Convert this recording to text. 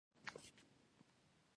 ناکامي لویه بریا ده